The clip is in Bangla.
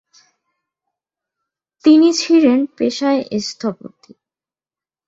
তিনি ছিরেন পেশায় স্থপতি।